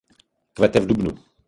Kvete v dubnu.